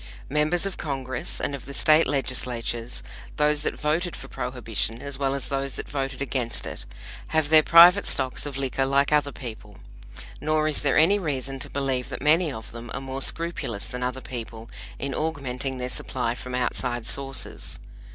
Members of Congress and of the State Legislatures those that voted for Prohibition, as well as those that voted against it have their private stocks of liquor like other people; nor is there any reason to believe that many of them are more scrupulous than other people in augmenting their supply from outside sources.